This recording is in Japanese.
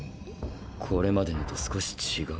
これまでのと少し違う。